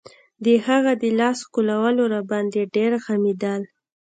د هغه د لاس ښکلول راباندې ډېر غمېدل.